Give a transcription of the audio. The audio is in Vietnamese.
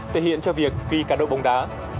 thể hiện cho việc ghi cả đội bóng đá